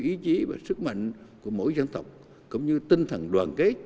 ý chí và sức mạnh của mỗi dân tộc cũng như tinh thần đoàn kết